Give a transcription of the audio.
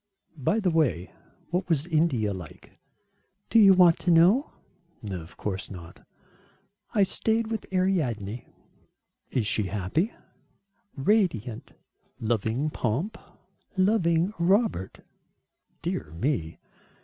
"By the way, what was India like?" "Do you want to know?" "Of course not." "I stayed with Ariadne." "Is she happy?" "Radiant." "Loving pomp?" "Loving Robert." "Dear me."